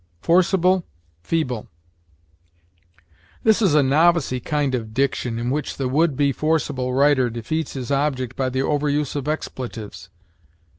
FORCIBLE FEEBLE. This is a "novicy" kind of diction in which the would be forcible writer defeats his object by the overuse of expletives.